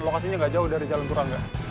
lokasinya nggak jauh dari jalan turangga